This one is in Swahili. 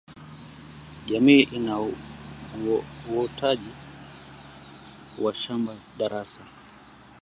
Jamii ina uhotaji wa shamba darasa